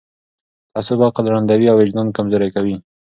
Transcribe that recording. تعصب عقل ړندوي او وجدان کمزوری کوي